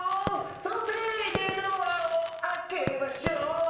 「その手でドアを開けましょう」